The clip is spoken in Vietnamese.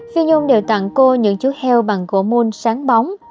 phi nhung đều tặng cô những chú heo bằng gỗ môn sáng bóng